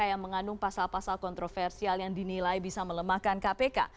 yang mengandung pasal pasal kontroversial yang dinilai bisa melemahkan kpk